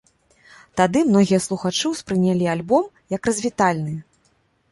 Тады многія слухачы ўспрынялі альбом, як развітальны.